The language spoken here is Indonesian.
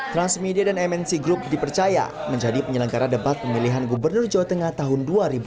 transmedia dan mnc group dipercaya menjadi penyelenggara debat pemilihan gubernur jawa tengah tahun dua ribu dua puluh